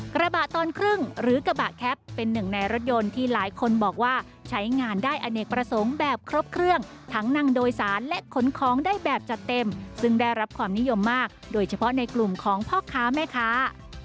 กระบะตอนครึ่งหรือกระบะแคปเป็นหนึ่งในรถยนต์ที่หลายคนบอกว่าใช้งานได้อเนกประสงค์แบบครบเครื่องทั้งนั่งโดยสารและขนของได้แบบจัดเต็มซึ่งได้รับความนิยมมากโดยเฉพาะในกลุ่มของพ่อค้าแม่ค้า